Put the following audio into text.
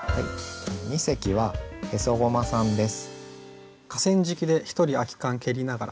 二席はへそごまさんです。